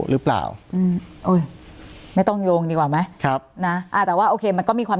หรือเปล่าอืมโอ้ยไม่ต้องโยงดีกว่าไหมครับนะอ่าแต่ว่าโอเคมันก็มีความ